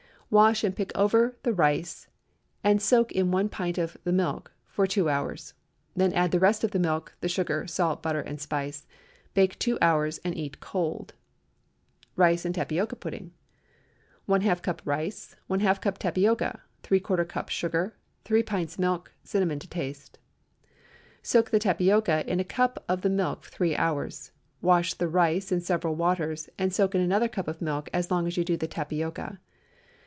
Wash and pick over the rice, and soak in one pint of the milk two hours. Then add the rest of the milk, the sugar, salt, butter and spice. Bake two hours, and eat cold. RICE AND TAPIOCA PUDDING. ✠ ½ cup rice. ½ cup tapioca. ¾ cup sugar. 3 pints milk. Cinnamon to taste. Soak the tapioca in a cup of the milk three hours; wash the rice in several waters, and soak in another cup of milk as long as you do the tapioca.